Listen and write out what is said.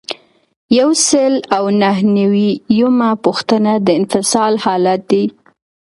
یو سل او نهه نوي یمه پوښتنه د انفصال حالت دی.